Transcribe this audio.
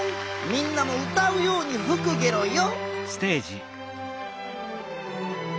みんなも歌うようにふくゲロよん。